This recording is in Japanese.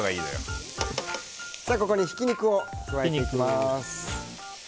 ここにひき肉を加えていきます。